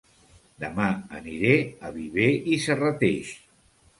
Dema aniré a Viver i Serrateix